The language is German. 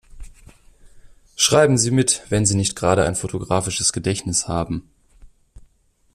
Schreiben Sie mit, wenn Sie nicht gerade ein fotografisches Gedächtnis haben.